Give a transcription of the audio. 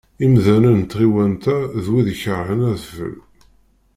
Imdanen n tɣiwant-a d wid ikerhen adfel.